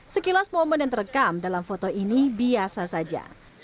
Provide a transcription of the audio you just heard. sekilas momen yang terekam dalam foto ini biasa saja